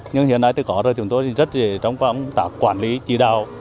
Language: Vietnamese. nhưng hiện nay thì có rồi chúng tôi rất dễ trong khoảng tạo quản lý chỉ đạo